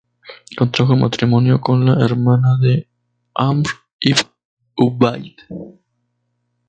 Contrajo matrimonio con la hermana de Amr ibn Ubayd.